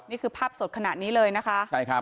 นี่คือภาพสดขนาดนี้เลยนะคะใช่ครับ